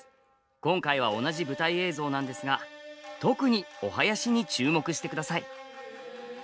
今回は同じ舞台映像なんですが特にお囃子に注目してください！